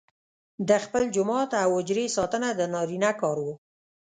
د خپل جومات او حجرې ساتنه د نارینه کار وو.